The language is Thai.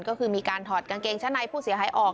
ก็คือมีการถอดกางเกงชั้นในผู้เสียหายออก